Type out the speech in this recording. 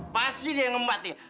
pasti dia yang ngembat ya